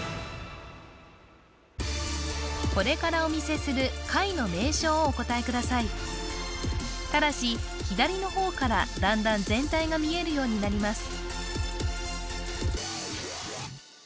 これからお見せする貝の名称をお答えくださいただし左の方からだんだん全体が見えるようになります